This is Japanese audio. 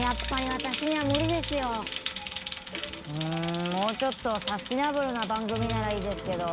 うんもうちょっとサスティナブルな番組ならいいですけど。